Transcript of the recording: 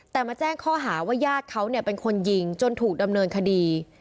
แต่มาแจ้งข้อหาว่าญาติเขาเป็นคนยิงจนถูกดำเนินคดี